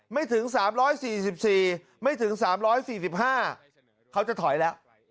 ไม่ถึง๓๔๔๓๔๕เขาจะถอยแล้ว